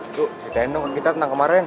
itu ceritain dong ke kita tentang kemaren